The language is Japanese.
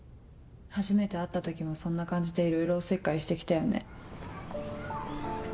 初めて会った時もそんな感じでいろいろお節介して来たよね。